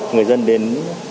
người dân đến